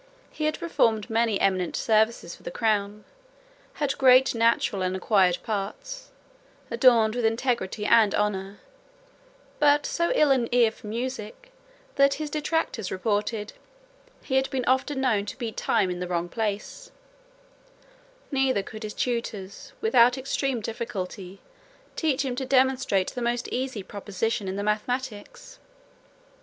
He had performed many eminent services for the crown, had great natural and acquired parts, adorned with integrity and honour; but so ill an ear for music, that his detractors reported, "he had been often known to beat time in the wrong place;" neither could his tutors, without extreme difficulty, teach him to demonstrate the most easy proposition in the mathematics.